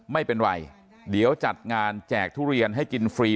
ไม่เป็นไรเดี๋ยวจัดงานแจกทุเรียนให้กินฟรี